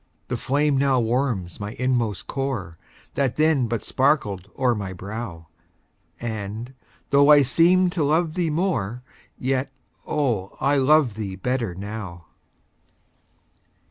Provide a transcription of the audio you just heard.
The flame now warms my inmost core, That then but sparkled o'er my brow, And, though I seemed to love thee more, Yet, oh, I love thee better now.